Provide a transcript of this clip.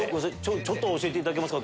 ちょっと教えていただけますか？